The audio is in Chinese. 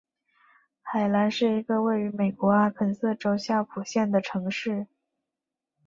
海兰是一个位于美国阿肯色州夏普县的城市。